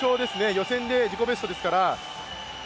予選で自己ベストですから。